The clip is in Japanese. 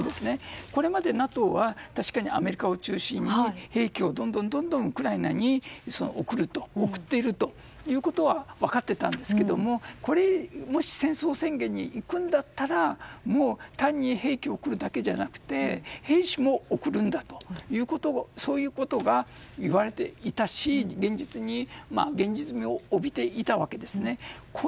これまでＮＡＴＯは確かに、アメリカを中心に兵器をどんどんウクライナに送っているということは分かっていたんですがもし、戦争宣言にいくんだったら単に兵器を送るだけじゃなくて兵士も送るんだということそういうことが言われていたし現実味を帯びていたわけですね。